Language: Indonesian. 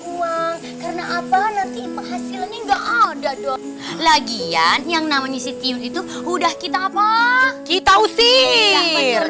uang karena apa nanti hasilnya enggak ada doang lagian yang namanya itu udah kita apa kita usir